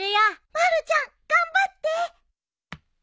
まるちゃん頑張って！